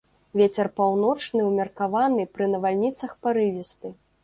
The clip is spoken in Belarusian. Вецер паўночны ўмеркаваны, пры навальніцах парывісты.